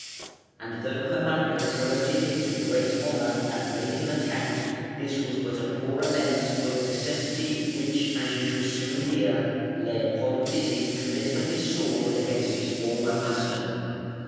And though Hermanric promoted him to great honour and made him a count, this was but a poor amends for the necessity which, as you shall soon hear, lay upon Witig, to lift up his sword against his former master.